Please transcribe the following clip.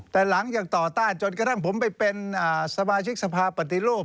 แต่หลังจากต่อต้านจนกระทั่งผมไปเป็นสมาชิกสภาปฏิรูป